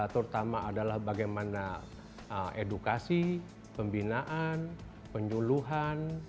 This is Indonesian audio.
terutama adalah bagaimana edukasi pembinaan penyuluhan